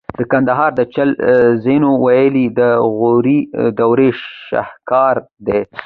د کندهار د چل زینو ویالې د غوري دورې شاهکار دي